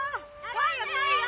来いよ来いよ！